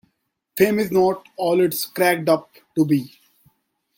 Fame is not all it's cracked up to be.